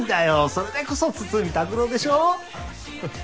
それでこそ筒見拓郎でしょ。